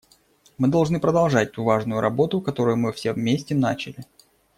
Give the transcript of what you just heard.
Мы должны продолжать ту важную работу, которую мы все вместе начали.